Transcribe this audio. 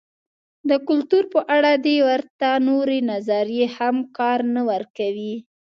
د کلتور په اړه دې ته ورته نورې نظریې هم کار نه ورکوي.